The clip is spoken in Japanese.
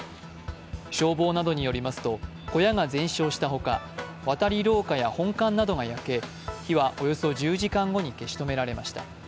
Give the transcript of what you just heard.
消防などによりますと小屋が全焼したほか、渡り廊下や本館などが焼け火はおよそ１０時間後に消し止められました。